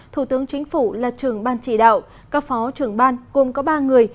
thủ tướng chính phủ là trưởng ban chỉ đạo các phó trưởng ban gồm có ba người